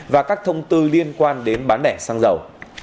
và các thông tư liên quan đến bán lẻ xăng dầu